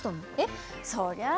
そりゃあね